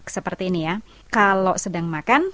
seperti ini ya kalau sedang makan